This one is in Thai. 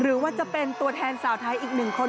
หรือว่าจะเป็นตัวแทนสาวไทยอีกหนึ่งคน